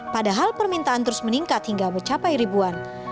padahal permintaan terus meningkat hingga mencapai ribuan